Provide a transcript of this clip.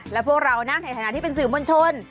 และพวกเรานะในฐานะที่เป็นสื่อมวลชน